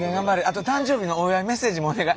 あと誕生日のお祝いメッセージもお願い。